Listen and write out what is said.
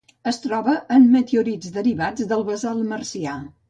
Es troba en meteorits derivats de basalt marcià.